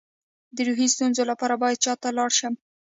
د روحي ستونزو لپاره باید چا ته لاړ شم؟